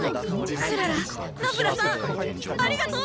クララナフラさんありがとう！